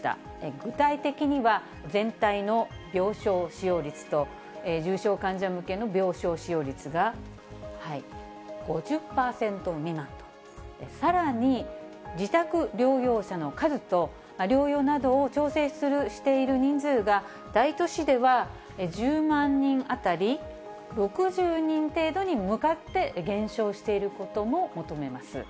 具体的には、全体の病床使用率と重症患者向けの病床使用率が５０％未満と、さらに自宅療養者の数と、療養などを調整している人数が、大都市では１０万人当たり６０人程度に向かって減少していることも求めます。